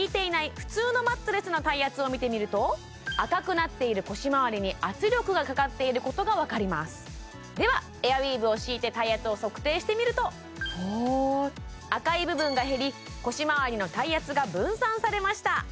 普通のマットレスの体圧を見てみると赤くなっている腰回りに圧力がかかっていることが分かりますではエアウィーヴを敷いて体圧を測定してみると赤い部分が減り腰回りの体圧が分散されました